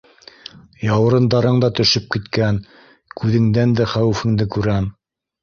Яурындарың да төшөп киткән, күҙеңдән дә хәүефеңде күрәм.